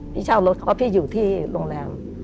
ที่เช่ารถเขาที่อยู่ที่โรงแรม